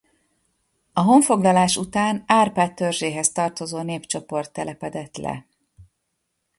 A honfoglalás után Árpád törzséhez tartozó népcsoport telepedett le.